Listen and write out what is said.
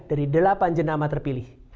dari delapan jenama terpilih